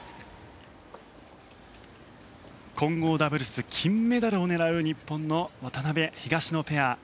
混合ダブルス金メダルを狙う、日本の渡辺、東野ペア。